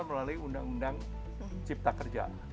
melalui undang undang cipta kerja